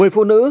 một mươi phụ nữ